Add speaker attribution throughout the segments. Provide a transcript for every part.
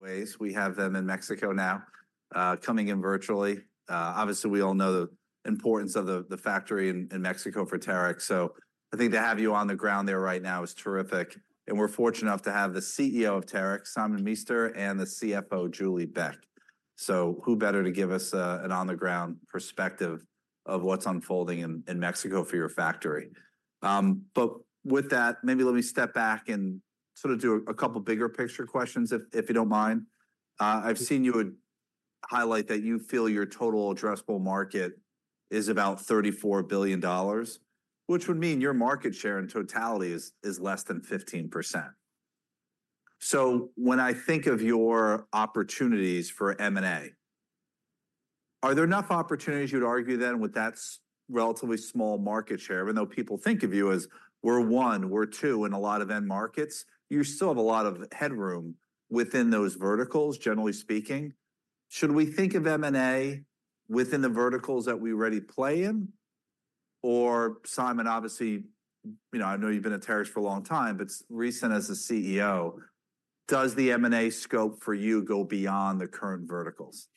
Speaker 1: ways. We have them in Mexico now, coming in virtually. Obviously, we all know the importance of the factory in Mexico for Terex, so I think to have you on the ground there right now is terrific, and we're fortunate enough to have the CEO of Terex, Simon Meester, and the CFO, Julie Beck. So who better to give us an on-the-ground perspective of what's unfolding in Mexico for your factory? But with that, maybe let me step back and sort of do a couple bigger picture questions, if you don't mind. I've seen you would highlight that you feel your total addressable market is about $34 billion, which would mean your market share in totality is less than 15%. So when I think of your opportunities for M&A, are there enough opportunities you'd argue then, with that relatively small market share? Even though people think of you as we're one, we're two in a lot of end markets, you still have a lot of headroom within those verticals, generally speaking. Should we think of M&A within the verticals that we already play in, or Simon, obviously, you know, I know you've been at Terex for a long time, but recent as a CEO, does the M&A scope for you go beyond the current verticals?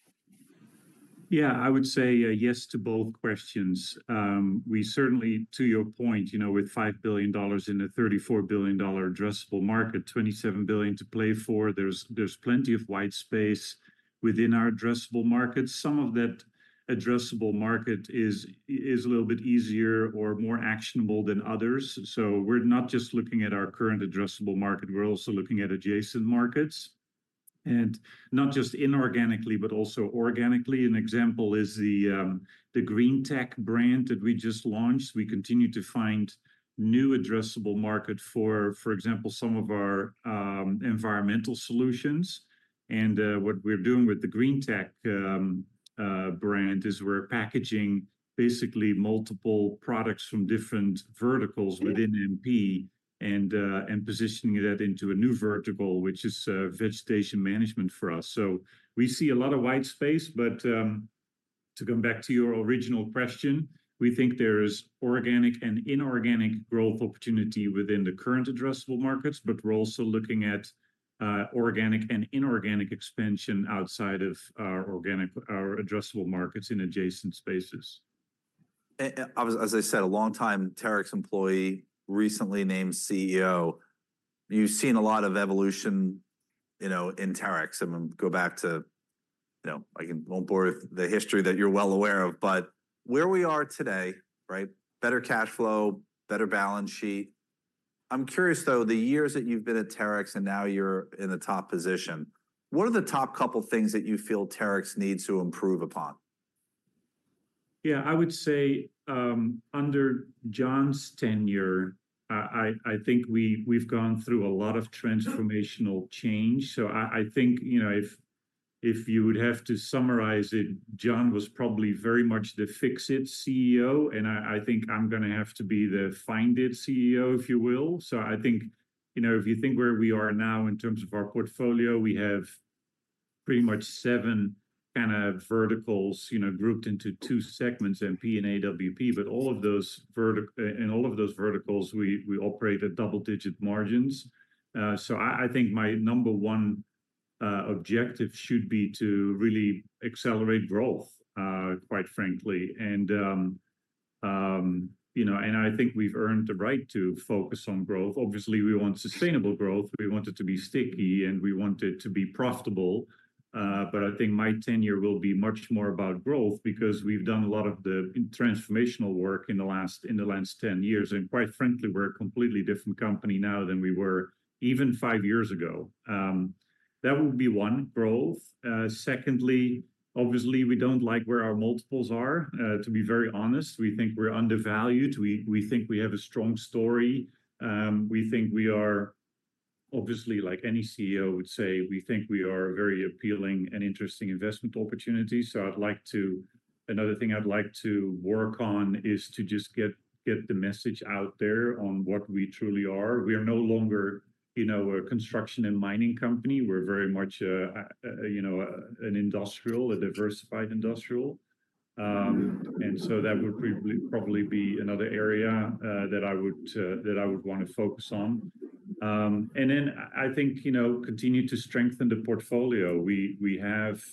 Speaker 2: Yeah, I would say yes to both questions. We certainly, to your point, you know, with $5 billion in a $34 billion addressable market, $27 billion to play for, there's plenty of white space within our addressable markets. Some of that addressable market is a little bit easier or more actionable than others. So we're not just looking at our current addressable market, we're also looking at adjacent markets, and not just inorganically, but also organically. An example is the Green-Tec brand that we just launched. We continue to find new addressable market for, for example, some of our environmental solutions, and what we're doing with the Green-Tec brand is we're packaging basically multiple products from different verticals-... within MP and positioning that into a new vertical, which is vegetation management for us. So we see a lot of white space, but to come back to your original question, we think there is organic and inorganic growth opportunity within the current addressable markets, but we're also looking at organic and inorganic expansion outside of our organic, our addressable markets in adjacent spaces.
Speaker 1: As I said, a long time Terex employee, recently named CEO, you've seen a lot of evolution, you know, in Terex. I'm gonna go back to, you know, I won't bore with the history that you're well aware of, but where we are today, right? Better cash flow, better balance sheet. I'm curious, though, the years that you've been at Terex and now you're in the top position, what are the top couple of things that you feel Terex needs to improve upon?
Speaker 2: Yeah, I would say, under John's tenure, I think we, we've gone through a lot of transformational change. So I think, you know, if you would have to summarize it, John was probably very much the fix-it CEO, and I think I'm gonna have to be the find-it CEO, if you will. So I think, you know, if you think where we are now in terms of our portfolio, we have pretty much seven kinda verticals, you know, grouped into two segments, MP and AWP, but all of those in all of those verticals, we operate at double-digit margins. So I think my number one objective should be to really accelerate growth, quite frankly, and, you know, and I think we've earned the right to focus on growth. Obviously, we want sustainable growth, we want it to be sticky, and we want it to be profitable. But I think my tenure will be much more about growth because we've done a lot of the transformational work in the last 10 years, and quite frankly, we're a completely different company now than we were even 5 years ago. That would be one, growth. Secondly, obviously, we don't like where our multiples are, to be very honest. We think we're undervalued. We think we have a strong story. We think we are, obviously, like any CEO would say, we think we are a very appealing and interesting investment opportunity, so I'd like to, another thing I'd like to work on is to just get the message out there on what we truly are. We are no longer, you know, a construction and mining company. We're very much a, you know, an industrial, a diversified industrial. And so that would probably be another area that I would want to focus on. And then I think, you know, continue to strengthen the portfolio. We have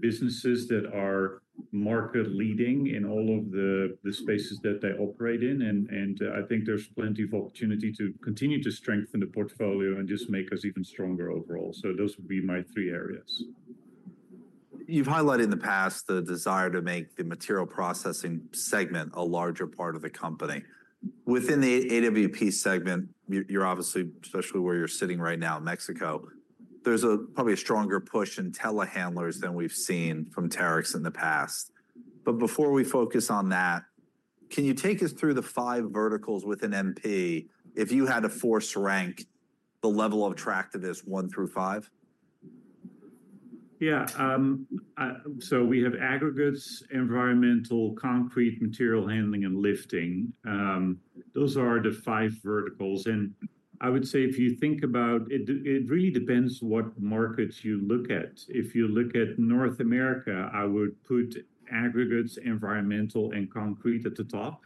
Speaker 2: businesses that are market-leading in all of the spaces that they operate in, and I think there's plenty of opportunity to continue to strengthen the portfolio and just make us even stronger overall. So those would be my three areas.
Speaker 1: You've highlighted in the past the desire to make the Materials Processing segment a larger part of the company. Within the AWP segment, you're obviously, especially where you're sitting right now, Mexico, there's probably a stronger push in telehandlers than we've seen from Terex in the past. But before we focus on that, can you take us through the five verticals within MP if you had to force rank the level of attractiveness one through five?
Speaker 2: Yeah, so we have Aggregates, Environmental, Concrete, Material Handling, and Lifting. Those are the five verticals, and I would say if you think about it, it really depends what markets you look at. If you look at North America, I would put Aggregates, Environmental, and Concrete at the top.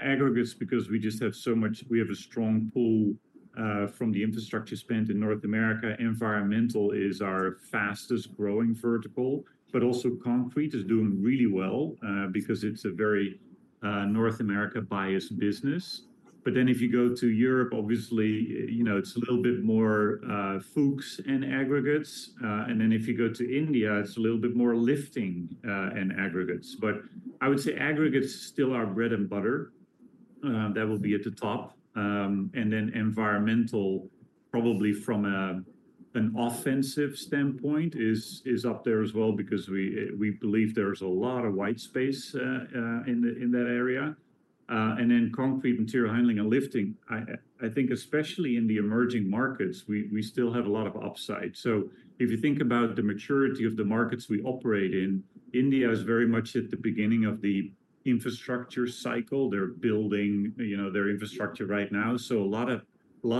Speaker 2: Aggregates because we just have so much, we have a strong pull from the infrastructure spending in North America. Environmental is our fastest growing vertical, but also Concrete is doing really well because it's a very North America-biased business. But then if you go to Europe, obviously, you know, it's a little bit more Fuchs and Aggregates. And then if you go to India, it's a little bit more Lifting and Aggregates. But I would say Aggregates is still our bread and butter, that will be at the top. And then environmental, probably from an offensive standpoint, is up there as well because we believe there's a lot of white space in that area. And then concrete material handling and lifting, I think especially in the emerging markets, we still have a lot of upside. So if you think about the maturity of the markets we operate in, India is very much at the beginning of the infrastructure cycle. They're building, you know, their infrastructure right now, so a lot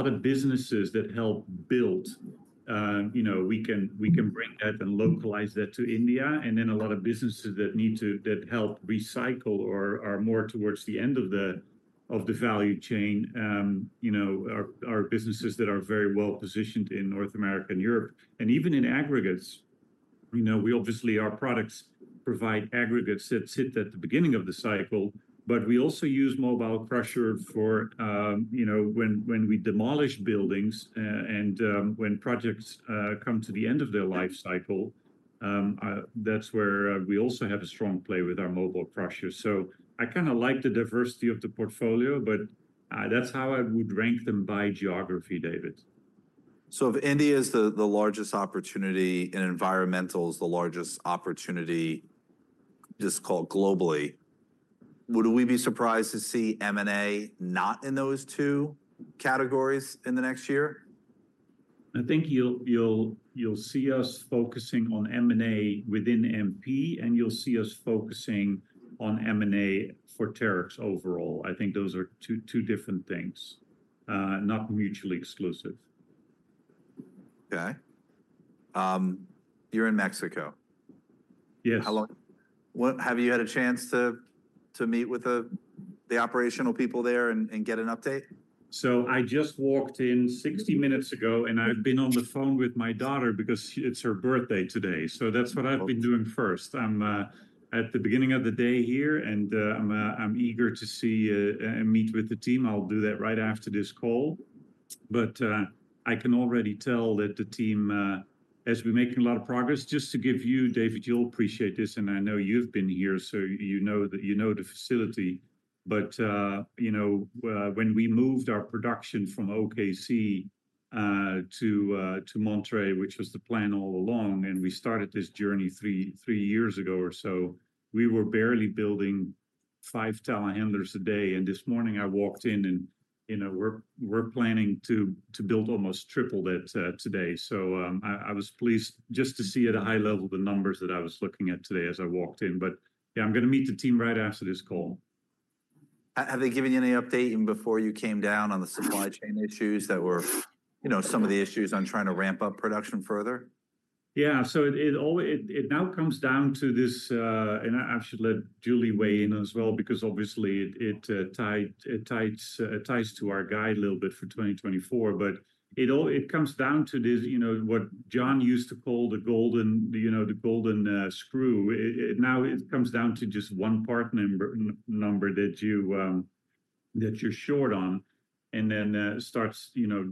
Speaker 2: of businesses that help build, you know, we can bring that and localize that to India. And then a lot of businesses that need to... that help recycle or are more towards the end of the value chain, you know, are businesses that are very well positioned in North America and Europe. And even in aggregates, you know, we obviously, our products provide aggregates that sit at the beginning of the cycle, but we also use mobile crusher for, you know, when we demolish buildings, and, when projects come to the end of their life cycle, that's where we also have a strong play with our mobile crushers. So I kinda like the diversity of the portfolio, but, that's how I would rank them by geography, David.
Speaker 1: So if India is the largest opportunity and environmental is the largest opportunity, just call it globally, would we be surprised to see M&A not in those two categories in the next year?
Speaker 2: I think you'll see us focusing on M&A within MP, and you'll see us focusing on M&A for Terex overall. I think those are two different things, not mutually exclusive.
Speaker 1: Okay. You're in Mexico?
Speaker 2: Yes.
Speaker 1: How long. Well, have you had a chance to meet with the operational people there and get an update?
Speaker 2: So I just walked in 60 minutes ago, and I've been on the phone with my daughter because it's her birthday today. That's what I've been doing first. I'm at the beginning of the day here, and I'm eager to see and meet with the team. I'll do that right after this call. But I can already tell that the team has been making a lot of progress. Just to give you, David, you'll appreciate this, and I know you've been here, so you know the facility. But you know when we moved our production from OKC to Monterrey, which was the plan all along, and we started this journey three years ago or so, we were barely building five telehandlers a day. And this morning, I walked in, and, you know, we're planning to build almost triple that today. So, I was pleased just to see at a high level the numbers that I was looking at today as I walked in. But yeah, I'm gonna meet the team right after this call.
Speaker 1: Have they given you any update before you came down on the supply chain issues that you know, some of the issues on trying to ramp up production further?
Speaker 2: Yeah, so it all now comes down to this, and I should let Julie weigh in as well because obviously it ties to our guide a little bit for 2024. But it all comes down to this, you know, what John used to call the golden, you know, the golden screw. It now comes down to just one part number that you're short on, and then starts, you know,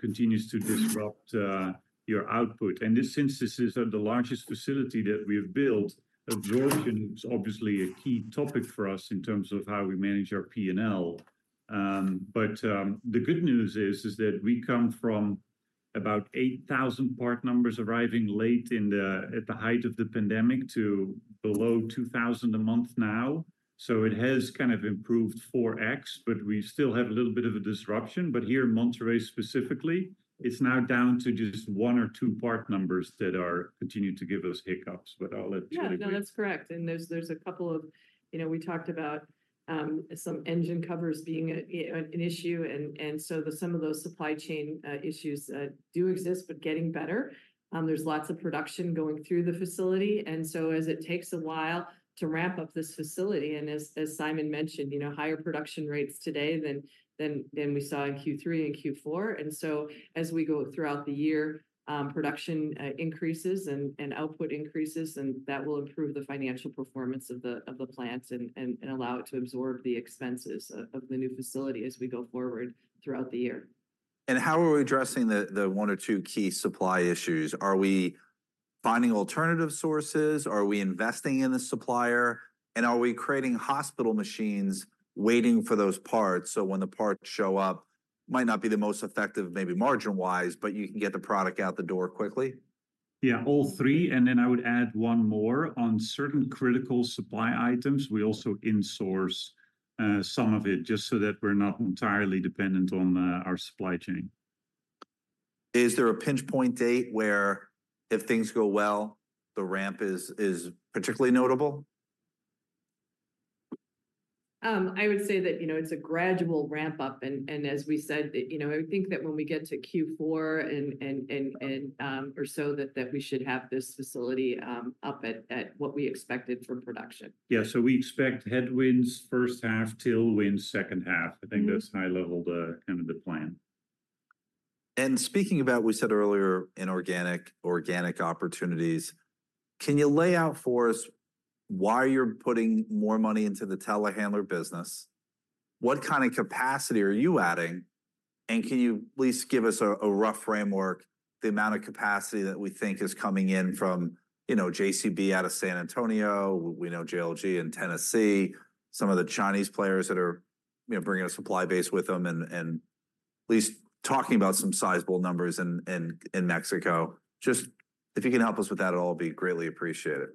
Speaker 2: continues to disrupt your output. And this, since this is the largest facility that we have built, absorption is obviously a key topic for us in terms of how we manage our P&L. But the good news is, is that we come from about 8,000 part numbers arriving late in the, at the height of the pandemic to below 2,000 a month now. So it has kind of improved 4x, but we still have a little bit of a disruption. But here in Monterrey specifically, it's now down to just one or two part numbers that are... continue to give us hiccups, but I'll let Julie-
Speaker 3: Yeah, no, that's correct. And there's a couple of, you know, we talked about some engine covers being an issue, and so some of those supply chain issues do exist, but getting better. There's lots of production going through the facility, and so as it takes a while to ramp up this facility, and as Simon mentioned, you know, higher production rates today than we saw in Q3 and Q4. And so as we go throughout the year, production increases and output increases, and that will improve the financial performance of the plants and allow it to absorb the expenses of the new facility as we go forward throughout the year.
Speaker 1: And how are we addressing the one or two key supply issues? Are we finding alternative sources? Are we investing in the supplier? And are we creating partial machines waiting for those parts, so when the parts show up, might not be the most effective, maybe margin-wise, but you can get the product out the door quickly?
Speaker 2: Yeah, all three, and then I would add one more. On certain critical supply items, we also in-source some of it, just so that we're not entirely dependent on our supply chain.
Speaker 1: Is there a pinpoint date where if things go well, the ramp is particularly notable?
Speaker 3: I would say that, you know, it's a gradual ramp-up, and as we said, you know, I would think that when we get to Q4 or so, that we should have this facility up at what we expected for production.
Speaker 2: Yeah, so we expect headwinds first half, tailwinds second half. I think that's high-level, kind of the plan....
Speaker 1: And speaking about, we said earlier, inorganic, organic opportunities, can you lay out for us why you're putting more money into the telehandler business? What kind of capacity are you adding? And can you at least give us a rough framework, the amount of capacity that we think is coming in from, you know, JCB out of San Antonio, we know JLG in Tennessee, some of the Chinese players that are, you know, bringing a supply base with them and at least talking about some sizable numbers in Mexico. Just if you can help us with that at all, it'd be greatly appreciated.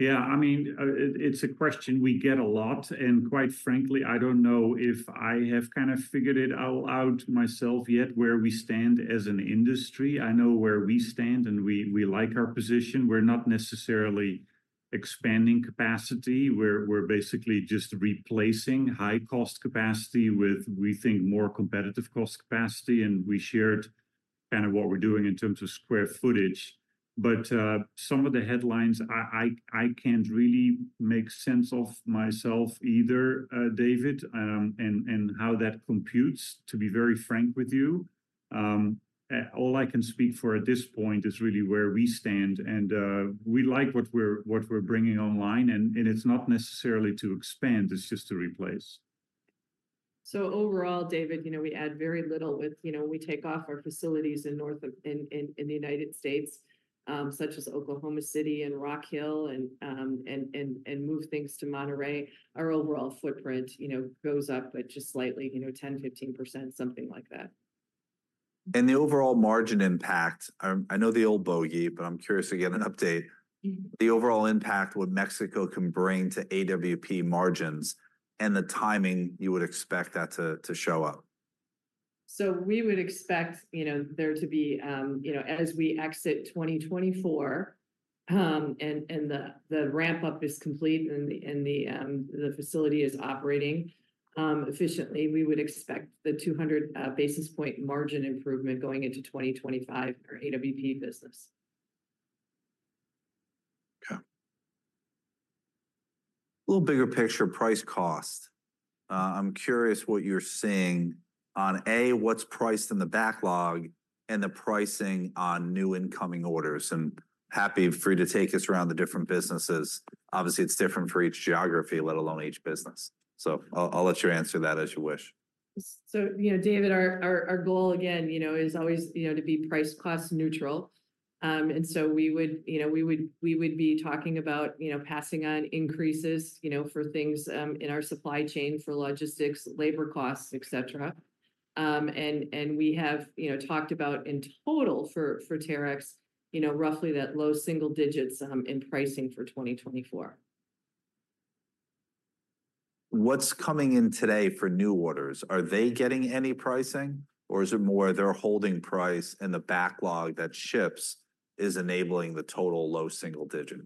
Speaker 2: Yeah, I mean, it's a question we get a lot, and quite frankly, I don't know if I have kind of figured it out myself yet, where we stand as an industry. I know where we stand, and we like our position. We're not necessarily expanding capacity. We're basically just replacing high-cost capacity with, we think, more competitive cost capacity, and we shared kind of what we're doing in terms of square footage. But some of the headlines, I can't really make sense of myself either, David, and how that computes, to be very frank with you. All I can speak for at this point is really where we stand, and we like what we're bringing online, and it's not necessarily to expand. It's just to replace. So overall, David, you know, we add very little with... You know, when we take off our facilities in the north of the United States, such as Oklahoma City and Rock Hill, and move things to Monterrey, our overall footprint, you know, goes up, but just slightly, you know, 10-15%, something like that.
Speaker 1: The overall margin impact, I know the old bogey, but I'm curious to get an update. The overall impact what Mexico can bring to AWP margins and the timing you would expect that to show up?
Speaker 3: So we would expect, you know, there to be, you know, as we exit 2024, and the ramp-up is complete, and the facility is operating efficiently, we would expect the 200 basis point margin improvement going into 2025 for AWP business.
Speaker 1: Okay. A little bigger picture, price cost. I'm curious what you're seeing on a, what's priced in the backlog and the pricing on new incoming orders, and happy, free to take us around the different businesses. Obviously, it's different for each geography, let alone each business. So I'll let you answer that as you wish.
Speaker 3: So, you know, David, our goal, again, you know, is always, you know, to be price-cost neutral. And so we would, you know, be talking about, you know, passing on increases, you know, for things in our supply chain for logistics, labor costs, et cetera. And we have, you know, talked about, in total, for Terex, you know, roughly that low double digits in pricing for 2024.
Speaker 1: What's coming in today for new orders? Are they getting any pricing, or is it more they're holding price, and the backlog that ships is enabling the total low single digit?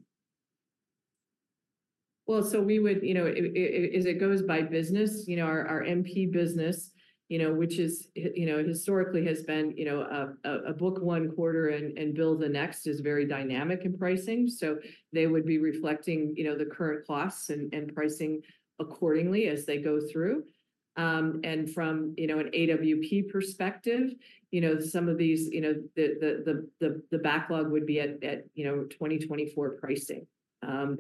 Speaker 3: Well, so we would, you know, as it goes by business, you know, our, our MP business, you know, which is, you know, historically has been, you know, a book one quarter and build the next is very dynamic in pricing. So they would be reflecting, you know, the current costs and pricing accordingly as they go through. And from, you know, an AWP perspective, you know, some of these, you know, the backlog would be at, at, you know, 2024 pricing,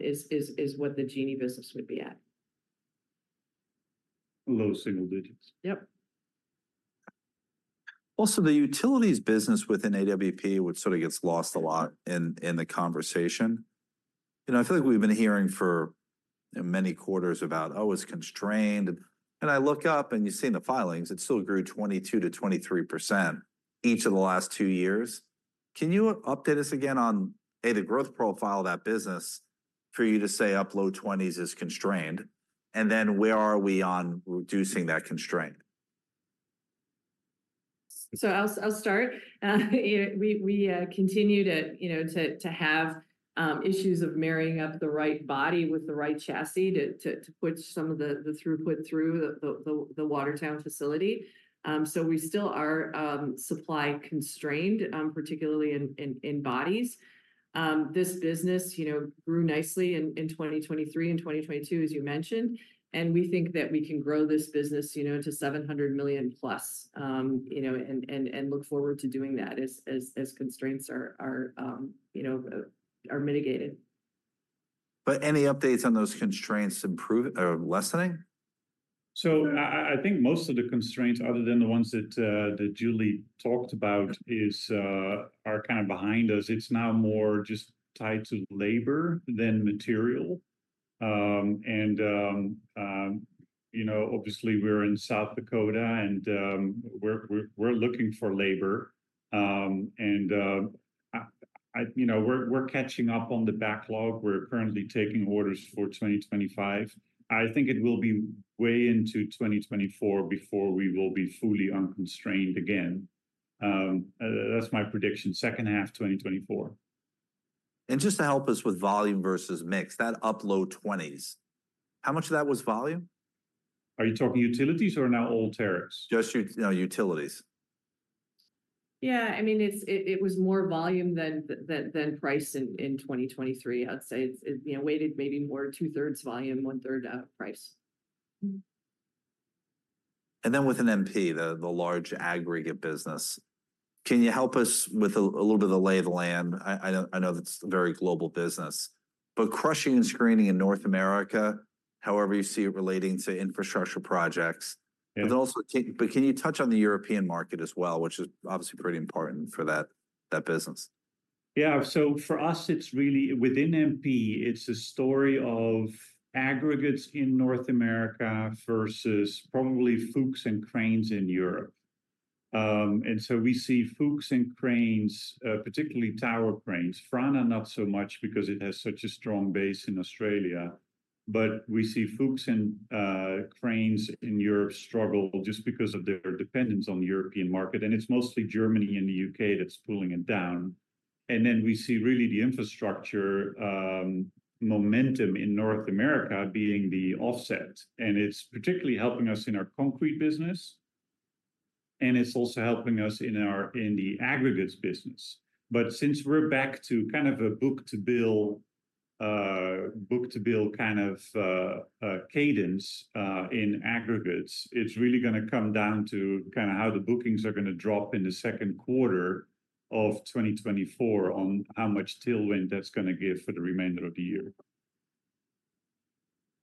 Speaker 3: is what the Genie business would be at.
Speaker 2: Low single digits.
Speaker 1: Also, the utilities business within AWP, which sort of gets lost a lot in the conversation, you know, I feel like we've been hearing for, you know, many quarters about, "Oh, it's constrained." And I look up, and you see in the filings, it still grew 22%-23% each of the last two years. Can you update us again on, A, the growth profile of that business for you to say up low twenties is constrained, and then where are we on reducing that constraint?
Speaker 3: So I'll start. We continue to, you know, to have issues of marrying up the right body with the right chassis to put some of the throughput through the Watertown facility. So we still are supply constrained, particularly in bodies. This business, you know, grew nicely in 2023 and 2022, as you mentioned, and we think that we can grow this business, you know, to $700 million plus, and look forward to doing that as constraints are mitigated.
Speaker 1: Any updates on those constraints improving or lessening?
Speaker 2: So I think most of the constraints, other than the ones that Julie talked about, are kind of behind us. It's now more just tied to labor than material. And you know, obviously, we're in South Dakota, and we're looking for labor. You know, we're catching up on the backlog. We're currently taking orders for 2025. I think it will be way into 2024 before we will be fully unconstrained again. That's my prediction, second half 2024.
Speaker 1: Just to help us with volume versus mix, that up low twenties, how much of that was volume?
Speaker 2: Are you talking utilities or now all Terex?
Speaker 1: Just utilities.
Speaker 3: Yeah, I mean, it was more volume than price in 2023. I'd say it's, you know, weighted maybe more two-thirds volume, one-third price.
Speaker 1: Mm-hmm. And then with an MP, the large aggregate business, can you help us with a little bit of the lay of the land? I know that's a very global business, but crushing and screening in North America, however you see it relating to infrastructure projects- But can you touch on the European market as well, which is obviously pretty important for that business?
Speaker 2: Yeah. So for us, it's really within MP, it's a story of aggregates in North America versus probably Fuchs and cranes in Europe. And so we see Fuchs and cranes, particularly tower cranes, Franna not so much because it has such a strong base in Australia, but we see Fuchs and cranes in Europe struggle just because of their dependence on the European market, and it's mostly Germany and the U.K. that's pulling it down. And then we see really the infrastructure momentum in North America being the offset, and it's particularly helping us in our concrete business, and it's also helping us in our, in the aggregates business. But since we're back to kind of a book-to-bill kind of cadence in Aggregates, it's really gonna come down to kinda how the bookings are gonna drop in the second quarter of 2024 on how much tailwind that's gonna give for the remainder of the year.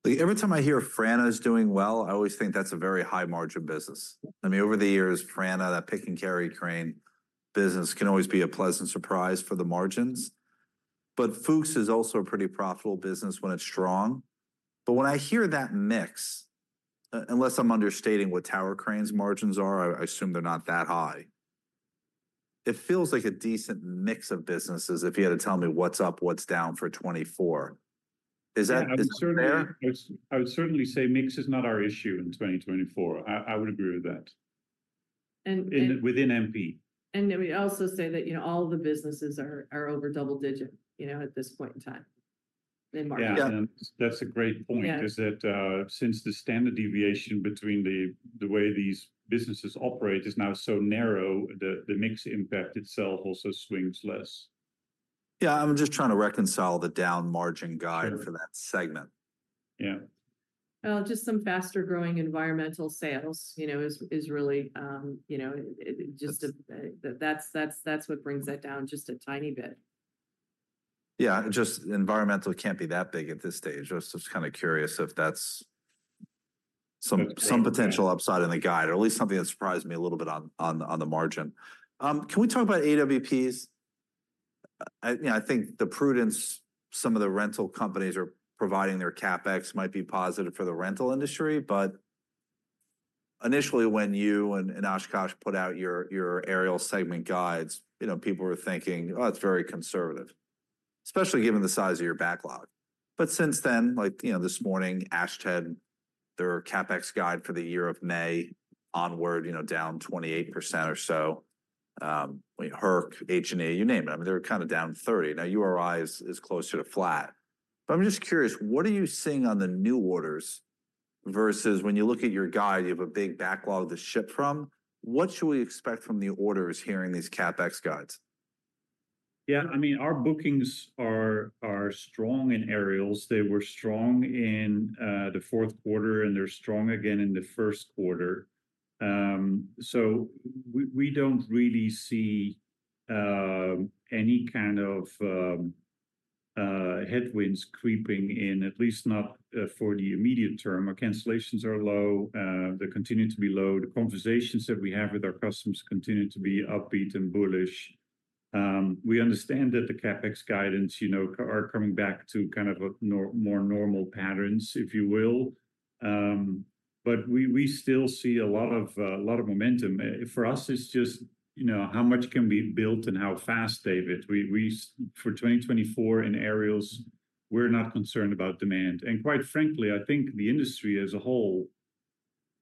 Speaker 1: Every time I hear Franna is doing well, I always think that's a very high-margin business. I mean, over the years, Franna, that pick and carry crane business, can always be a pleasant surprise for the margins. But Fuchs is also a pretty profitable business when it's strong. But when I hear that mix, unless I'm understating what tower cranes' margins are, I assume they're not that high, it feels like a decent mix of businesses if you had to tell me what's up, what's down for 2024. Is that-
Speaker 2: I would certainly-...
Speaker 1: fair?
Speaker 2: I would certainly say mix is not our issue in 2024. I would agree with that. In, within MP.
Speaker 3: And then we'd also say that, you know, all the businesses are over double-digit, you know, at this point in time, in market.
Speaker 2: That's a great point.
Speaker 3: Yeah...
Speaker 2: is that, since the standard deviation between the way these businesses operate is now so narrow, the mix impact itself also swings less.
Speaker 1: Yeah, I'm just trying to reconcile the down margin guide-... for that segment.
Speaker 2: Yeah.
Speaker 3: Well, just some faster-growing environmental sales, you know, is really, you know, it just- That's what brings that down just a tiny bit.
Speaker 1: Yeah, just environmental can't be that big at this stage. I was just kinda curious if that's some-... some potential upside in the guide, or at least something that surprised me a little bit on the margin. Can we talk about AWPs? You know, I think the prudence some of the rental companies are providing their CapEx might be positive for the rental industry, but initially when you and Oshkosh put out your aerial segment guides, you know, people were thinking, "Oh, it's very conservative," especially given the size of your backlog. But since then, like, you know, this morning, Ashtead, their CapEx guide for the year of May onward, you know, down 28% or so. Herc, H&E, you name it, I mean, they're kinda down 30%. Now, URI is closer to flat. I'm just curious, what are you seeing on the new orders versus when you look at your guide, you have a big backlog to ship from? What should we expect from the orders given these CapEx guides?
Speaker 2: Yeah, I mean, our bookings are strong in aerials. They were strong in the fourth quarter, and they're strong again in the first quarter. So we don't really see any kind of headwinds creeping in, at least not for the immediate term. Our cancellations are low, they're continuing to be low. The conversations that we have with our customers continue to be upbeat and bullish. We understand that the CapEx guidance, you know, are coming back to kind of a more normal patterns, if you will. But we still see a lot of a lot of momentum. For us, it's just, you know, how much can be built and how fast, David. We... For 2024 in aerials, we're not concerned about demand. Quite frankly, I think the industry as a whole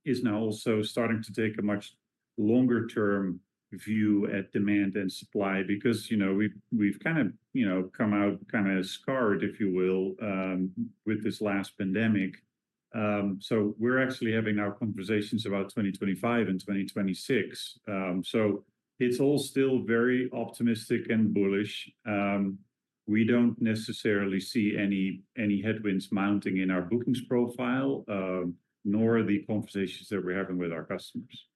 Speaker 2: is now also starting to take a much longer term view at demand and supply because, you know, we've kind of, you know, come out kinda scarred, if you will, with this last pandemic. So we're actually having our conversations about 2025 and 2026. So it's all still very optimistic and bullish. We don't necessarily see any headwinds mounting in our bookings profile, nor the conversations that we're having with our customers.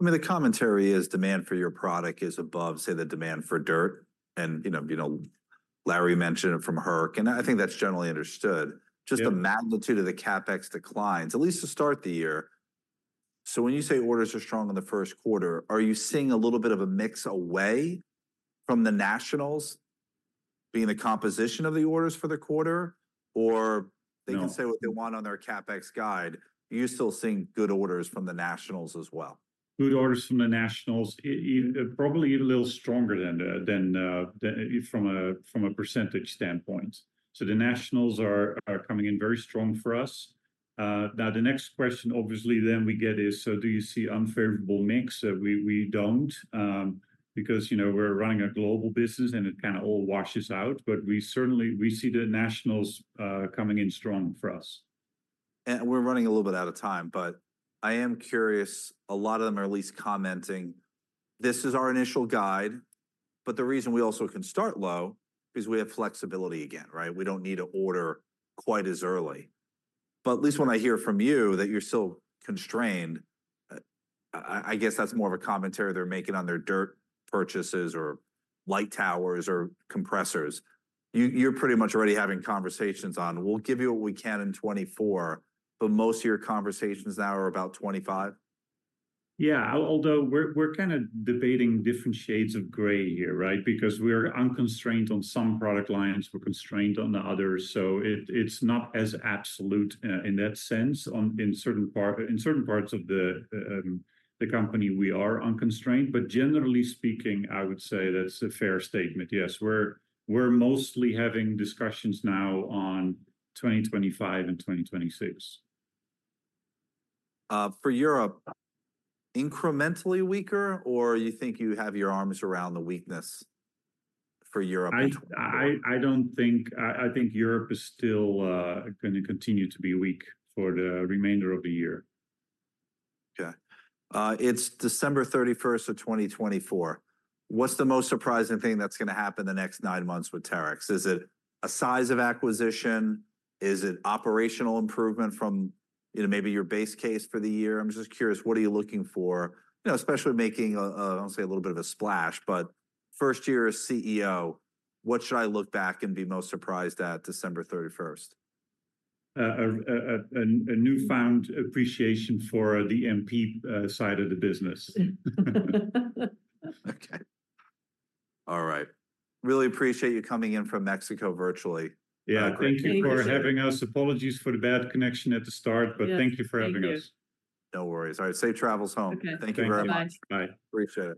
Speaker 1: I mean, the commentary is demand for your product is above, say, the demand for dirt. And, you know, you know, Larry mentioned it from Herc, and I think that's generally understood. Just the magnitude of the CapEx declines, at least to start the year. So when you say orders are strong in the first quarter, are you seeing a little bit of a mix away from the nationals being the composition of the orders for the quarter? Or-
Speaker 2: No...
Speaker 1: they can say what they want on their CapEx guide, you're still seeing good orders from the nationals as well.
Speaker 2: Good orders from the nationals, probably a little stronger than from a percentage standpoint. So the nationals are coming in very strong for us. Now, the next question obviously then we get is, "So do you see unfavorable mix?" We don't, because, you know, we're running a global business, and it kinda all washes out, but we certainly see the nationals coming in strong for us.
Speaker 1: We're running a little bit out of time, but I am curious, a lot of them are at least commenting, "This is our initial guide."... but the reason we also can start low is we have flexibility again, right? We don't need to order quite as early. But at least when I hear from you that you're still constrained, I guess that's more of a commentary they're making on their dirt purchases or light towers or compressors. You're pretty much already having conversations on, "We'll give you what we can in 2024," but most of your conversations now are about 2025?
Speaker 2: Yeah, although we're kind of debating different shades of gray here, right? Because we're unconstrained on some product lines, we're constrained on the others, so it's not as absolute in that sense. In certain parts of the company we are unconstrained, but generally speaking, I would say that's a fair statement. Yes, we're mostly having discussions now on 2025 and 2026.
Speaker 1: For Europe, incrementally weaker, or you think you have your arms around the weakness for Europe in 2024?
Speaker 2: I don't think... I think Europe is still going to continue to be weak for the remainder of the year.
Speaker 1: Okay. It's December 31st of 2024, what's the most surprising thing that's gonna happen the next nine months with Terex? Is it a size of acquisition? Is it operational improvement from, you know, maybe your base case for the year? I'm just curious, what are you look for, you know, especially making a, I don't want to say a little bit of a splash, but first year as CEO, what should I look back and be most surprised at December 31st?
Speaker 2: A newfound appreciation for the MP side of the business.
Speaker 1: Okay. All right. Really appreciate you coming in from Mexico virtually.
Speaker 2: Yeah, thank you for-
Speaker 1: Thank you...
Speaker 2: having us. Apologies for the bad connection at the start-
Speaker 1: Yes...
Speaker 2: but thank you for having us.
Speaker 1: Thank you. No worries. All right, safe travels home. Okay. Thank you very much.
Speaker 2: Thank you. Bye.
Speaker 1: Appreciate it.